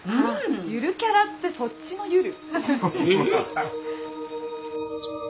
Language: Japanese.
ゆるキャラってそっちのゆる？